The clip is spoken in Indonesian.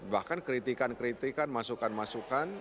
bahkan kritikan kritikan masukan masukan